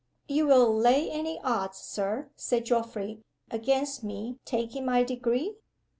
"You will lay any odds, Sir," said Geoffrey "against me taking my Degree?